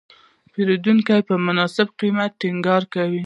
پیرودونکی په مناسب قیمت ټینګار کوي.